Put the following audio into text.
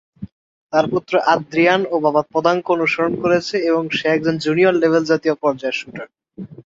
তার পুত্র আদ্রিয়ান ও বাবার পদাঙ্ক অনুসরণ করছে এবং সে একজন জুনিয়র লেভেল জাতীয় পর্যায়ের শ্যুটার।